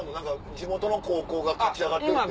地元の高校が勝ち上がってるって。